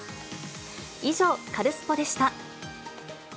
以上、カルスポっ！でした。